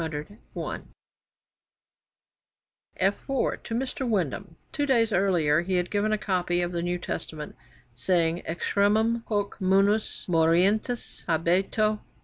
[F 4] To Mr. Windham, two days earlier, he had given a copy of the New Testament, saying: 'Extremum hoc munus morientis habeto.'